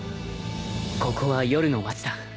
ここは夜の街だ。